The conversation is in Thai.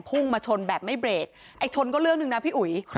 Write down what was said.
พุ่งมาชนแบบไม่เบรกไอ้ชนก็เรื่องหนึ่งนะพี่อุ๋ย